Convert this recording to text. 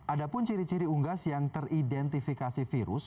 ada pun ciri ciri unggas yang teridentifikasi virus